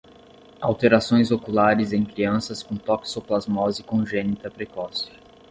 Alterações oculares em crianças com toxoplasmose congênita precoce